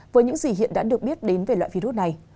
với những gì hiện đã được biết đến về loại virus này